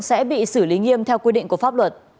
sẽ bị xử lý nghiêm theo quy định của pháp luật